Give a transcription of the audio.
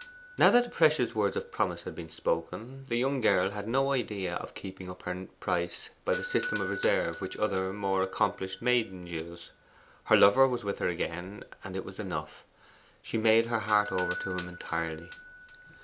Now that the precious words of promise had been spoken, the young girl had no idea of keeping up her price by the system of reserve which other more accomplished maidens use. Her lover was with her again, and it was enough: she made her heart over to him entirely.